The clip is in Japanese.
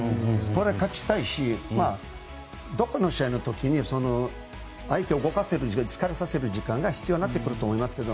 勝ちたいし、どこかの試合の時に相手を動かす疲れさせる時間が必要になってくると思います。